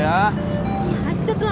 ya macet lagi